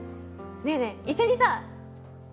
ねえねえ一緒にさ。